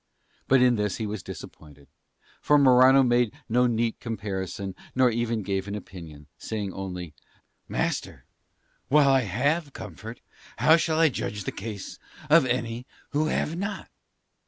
But in this he was disappointed; for Morano made no neat comparison nor even gave an opinion, saying only, "Master, while I have comfort how shall I judge the case of any who have not?"